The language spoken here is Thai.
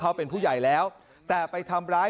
เขาเป็นผู้ใหญ่แล้วแต่ไปทำร้าย